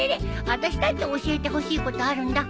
あたしだって教えてほしいことあるんだ。